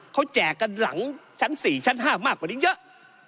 เขาแจกกันหลังชั้น๔ชั้น๕มากกว่านี้เยอะ